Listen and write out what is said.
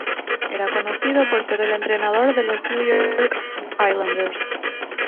Era conocido por ser el entrenador de los New York Islanders.